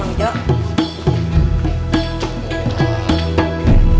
selamat jalan bang wajib